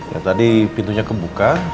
ya tadi pintunya kebuka